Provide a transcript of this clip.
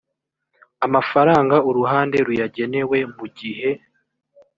amafaranga uruhande ruyagenewe mu gihe